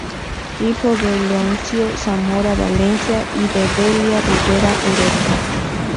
Hijo de Leoncio Zamora Valencia y de Delia Rivera Ureta.